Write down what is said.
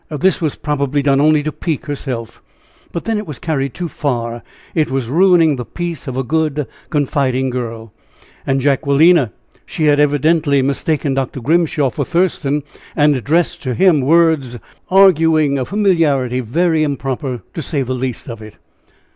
This was probably done only to pique herself; but then it was carried too far; it was ruining the peace of a good, confiding girl. And Jacquelina she had evidently mistaken Dr. Grimshaw for Thurston, and addressed to him words arguing a familiarity very improper, to say the least of it.